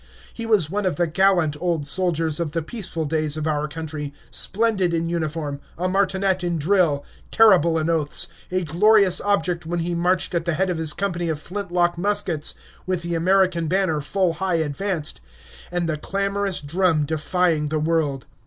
He was one of the gallant old soldiers of the peaceful days of our country, splendid in uniform, a martinet in drill, terrible in oaths, a glorious object when he marched at the head of his company of flintlock muskets, with the American banner full high advanced, and the clamorous drum defying the world.